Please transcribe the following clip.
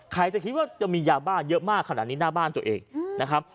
ใครจะคิดว่าจะมียาบ้าเยอะมากขนาดนี้หน้าบ้านตัวเองนะครับ